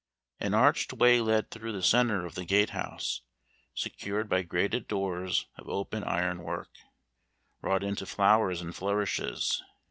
An arched way led through the centre of the gate house, secured by grated doors of open iron work, wrought into flowers and flourishes.